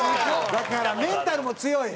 だからメンタルも強い。